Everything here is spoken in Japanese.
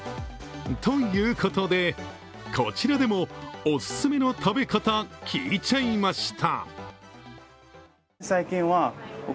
ということで、こちらでもおすすめの食べ方、聞いちゃいました。